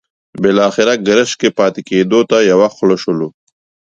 بالاخره ګرشک کې پاتې کېدو ته یو خوله شولو.